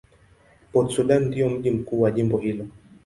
Port Sudan ndio mji mkuu wa jimbo hili.